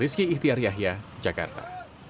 rizky ihtiar yahya jakarta